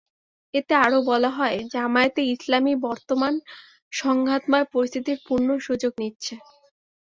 এতে আরও বলা হয়, জামায়াতে ইসলামী বর্তমান সংঘাতময় পরিস্থিতির পূর্ণ সুযোগ নিচ্ছে।